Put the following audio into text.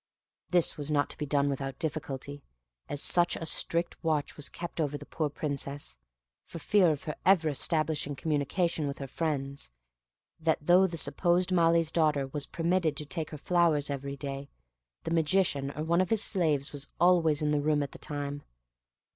This was not to be done without difficulty, as such a strict watch was kept over the poor Princess (for fear of her ever establishing communication with her friends), that though the supposed Malee's daughter was permitted to take her flowers every day, the Magician or one of his slaves was always in the room at the time.